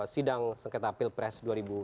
sidang sengketa pilpres dua ribu sembilan belas